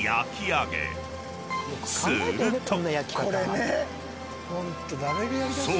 ［すると］